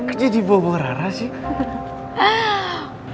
kok jadi bobo rara sih